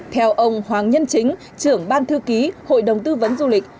theo ông hoàng nhân chính trưởng ban thư ký hội đồng tư vấn du lịch